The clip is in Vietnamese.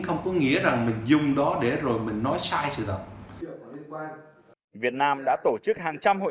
không có nghĩa rằng mình dùng đó để rồi mình nói sai sự thật việt nam đã tổ chức hàng trăm hội